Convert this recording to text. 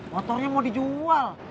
motornya mau dijual